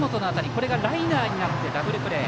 これがライナーになってダブルプレー。